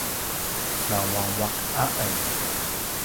nanguanguaq a en